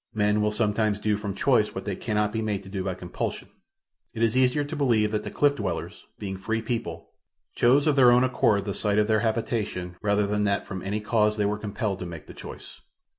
Men will sometimes do from choice what they cannot be made to do by compulsion. It is easier to believe that the cliff dwellers, being free people, chose of their own accord the site of their habitation rather than that from any cause they were compelled to make the choice.